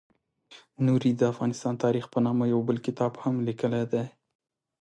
نوري د افغانستان تاریخ په نامه یو بل کتاب هم لیکلی دی.